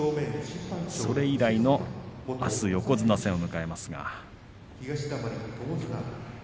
それ以来のあす横綱戦を迎えます。